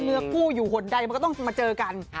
เนื้อคู่อยู่หนใดมันก็ต้องมาเจอกัน